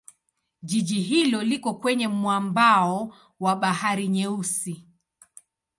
Jiji hilo liko kwenye mwambao wa Bahari Nyeusi.